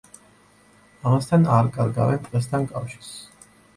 ამასთან არ კარგავენ ტყესთან კავშირს.